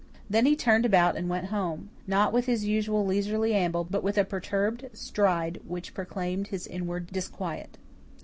Then he turned about and went home, not with his usual leisurely amble, but with a perturbed stride which proclaimed his inward disquiet.